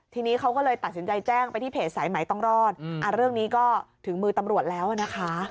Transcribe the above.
ทีนี้เขาก็เลยตัดสินใจแจ้งไปที่เพจสายไหมต้องรอดเรื่องนี้ก็ถึงมือตำรวจแล้วนะคะ